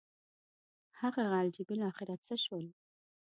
هغه خلجي بالاخره څه شول.